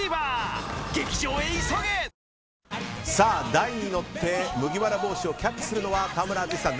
台に乗って麦わら帽子をキャッチするのは田村淳さん。